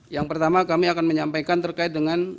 yang pertama kami akan menyampaikan terkait dengan